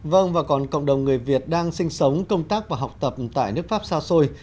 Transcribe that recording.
vâng và còn cộng đồng người việt đang sinh sống công tác và học tập tại nước pháp xa xôi